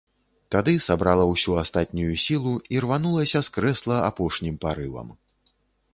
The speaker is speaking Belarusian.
Тады сабрала ўсю астатнюю сілу і рванулася з крэсла апошнім парывам.